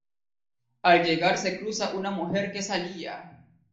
Al llegar se cruza una mujer que salía.